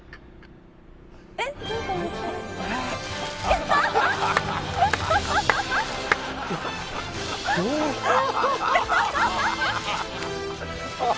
えっ？